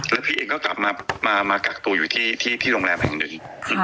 แล้วพี่เองก็กลับมากักตัวอยู่ที่โรงแรมแห่งหนึ่ง